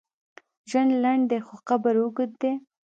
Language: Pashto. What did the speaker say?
ژوند لنډ دی، خو قبر اوږد دی.